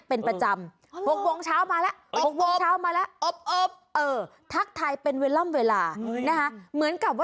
เป็นประจำ๖โครงเช้ามาแล้ว